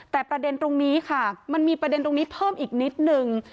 แต่ประเด็นตรงนี้ค่ะมันมีประเด็นตรงนี้เพิ่มอีกนิดนึง